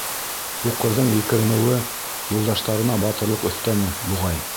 Һуҡырҙың екеренеүе юлдаштарына батырлыҡ өҫтәне, буғай.